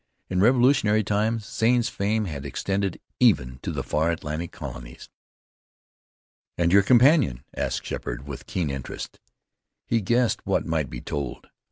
In Revolutionary times Zane's fame had extended even to the far Atlantic Colonies. "And your companion?" asked Sheppard with keen interest. He guessed what might be told.